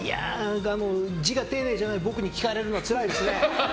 字がていねいじゃない僕に聞かれるのはつらいですね。